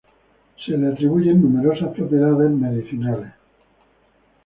Se le atribuyen numerosas propiedades medicinales.